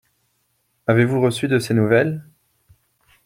Avez-vous reçu de ses nouvelles ?